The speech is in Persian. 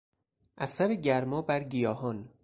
اثر گرما بر گیاهان